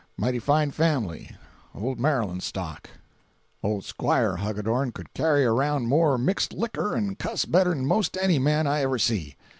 Mighty fine family. Old Maryland stock. Old Squire Hogadorn could carry around more mixed licker, and cuss better than most any man I ever see.